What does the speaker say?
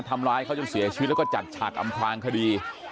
ทำร้ายเขาจนเสียชีวิตแล้วก็จัดฉากอำพลางคดี